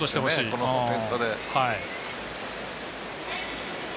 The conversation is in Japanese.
この点差で。